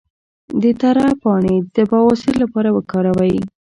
د تره پاڼې د بواسیر لپاره وکاروئ